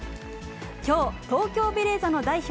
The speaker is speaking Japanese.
きょう、東京ベレーザの代表